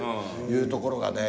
いうところがね